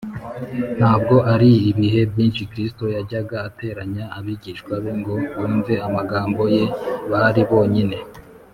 ntabwo ari ibihe byinshi kristo yajyaga ateranya abigishwa be ngo bumve amagambo ye bari bonyine